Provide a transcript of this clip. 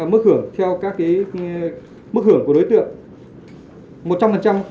mức hưởng theo các cái mức hưởng của đối tượng